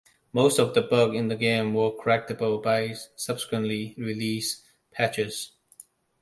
Most of the bugs in the game were correctable by subsequently released patches.